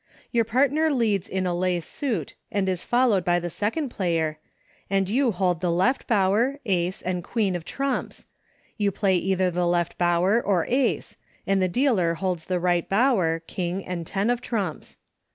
Your partner leads in a lay suit and is followed by the second player, and you hold the Left Bower, Ace, and Queen of trumps, you play either the Left Bower, or Ace, and the dealer holds the Eight Bower, King, and ten of trumps.